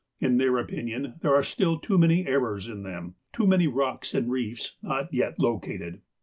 In their opinion, there are still too many errors in them — too many rocks and reefs not yet located.